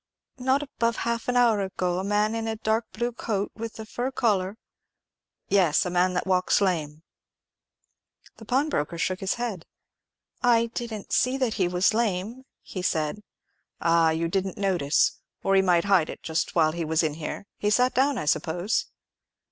"Not above half an hour ago. A man in a dark blue coat with a fur collar——" "Yes; a man that walks lame." The pawnbroker shook his head. "I didn't see that he was lame," he said. "Ah, you didn't notice; or he might hide it just while he was in here. He sat down, I suppose?"